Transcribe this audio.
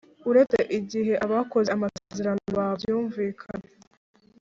Uretse igihe abakoze amasezerano babyumvikanye